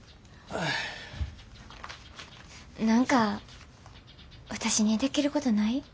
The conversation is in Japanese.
何か私にできることない？